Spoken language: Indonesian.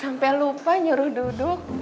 sampai lupa nyuruh duduk